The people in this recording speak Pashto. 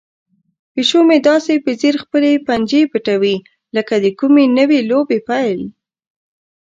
پیشو مې داسې په ځیر خپلې پنجې پټوي لکه د کومې نوې لوبې پیل.